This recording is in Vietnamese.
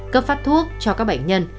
cấp phát thuốc cho các bệnh nhân